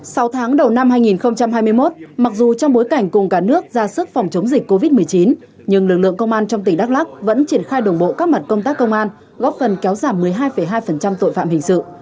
sau tháng đầu năm hai nghìn hai mươi một mặc dù trong bối cảnh cùng cả nước ra sức phòng chống dịch covid một mươi chín nhưng lực lượng công an trong tỉnh đắk lắc vẫn triển khai đồng bộ các mặt công tác công an góp phần kéo giảm một mươi hai hai tội phạm hình sự